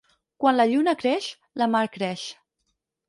Quan la lluna creix, la mar creix.